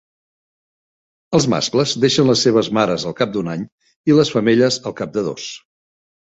Els mascles deixen les seves mares al cap d'un any i les femelles al cap de dos.